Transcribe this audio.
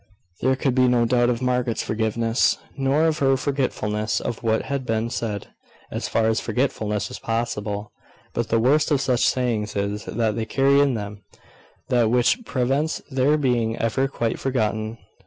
There could be no doubt of Margaret's forgiveness, nor of her forgetfulness of what had been said, as far as forgetfulness was possible. But the worst of such sayings is, that they carry in them that which prevents their being ever quite forgotten.